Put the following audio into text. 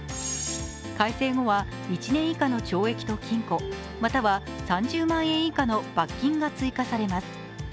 改正後は１年以下の懲役と禁錮、または３０万円以下の罰金が追加されます。